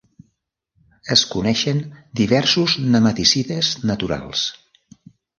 Es coneixen diversos nematicides naturals.